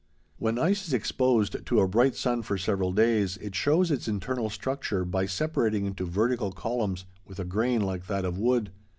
When ice is exposed to a bright sun for several days, it shows its internal structure by separating into vertical columns, with a grain like that of wood.